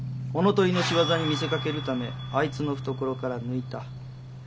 物取りの仕業に見せかけるためあいつの懐から抜いた。